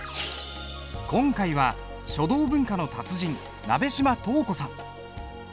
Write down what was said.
今回は書道文化の達人鍋島稲子さん。